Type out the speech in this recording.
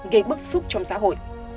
gây bức xúc trong xã hội